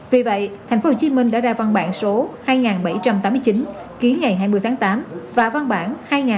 vì vậy tp hcm đã ra văn bản số hai nghìn bảy trăm tám mươi chín ký ngày hai mươi tháng tám và văn bản hai nghìn bảy trăm chín mươi sáu